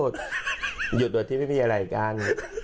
ส้มมันหยุดเหมือนที่ไม่มีอะไรกัน